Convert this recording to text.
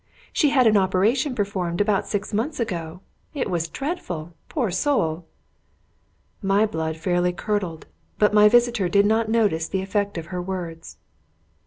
"She had an operation performed about six months ago. It was dreadful! Poor soul!" My blood fairly curdled; but my visitor did not notice the effect of her words.